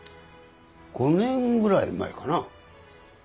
５年ぐらい前かな。